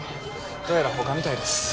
どうやら放火みたいです。